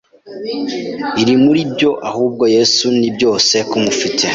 iri muri byo ahubwo Yesu ni byose kumufite